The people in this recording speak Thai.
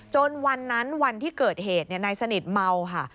วันนั้นวันที่เกิดเหตุนายสนิทเมาค่ะ